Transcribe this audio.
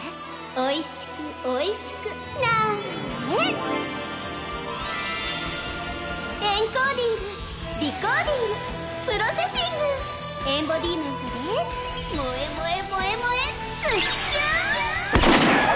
おいしくおいしくなれエンコーディングディコーディングプロセシングエンボディメントで萌え萌え萌え萌えズッキュン！